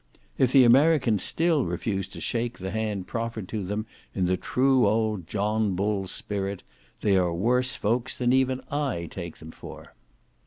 If the Americans still refuse to shake the hand proffered to them in the true old John Bull spirit, they are worse folks than even I take them for.